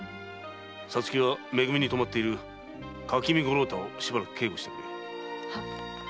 皐月はめ組に泊まっている垣見五郎太を警護をしてくれ。